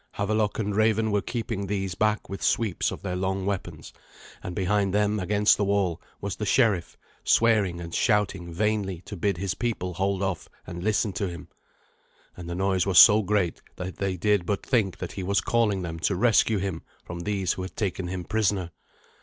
Havelok and Raven were keeping these back with sweeps of their long weapons, and behind them against the wall was the sheriff, swearing and shouting vainly to bid his people hold off and listen to him. And the noise was so great that they did but think that he was calling them to rescue him from these who had taken him prisoner.